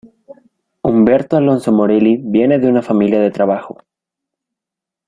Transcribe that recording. Humberto Alonso Morelli viene de una familia de trabajo.